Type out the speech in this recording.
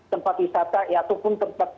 tempat wisata ataupun tempat